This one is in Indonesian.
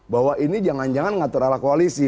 bahwa ini jangan jangan mengatur arah koalisi